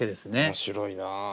面白いな。